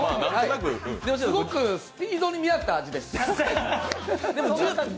すごくスピードに見合った味です。